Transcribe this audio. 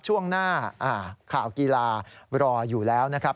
ช่วงหน้าข่าวกีฬารออยู่แล้วนะครับ